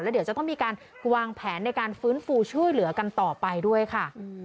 เดี๋ยวจะต้องมีการวางแผนในการฟื้นฟูช่วยเหลือกันต่อไปด้วยค่ะ